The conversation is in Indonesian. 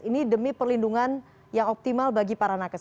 ini demi perlindungan yang optimal bagi para nakes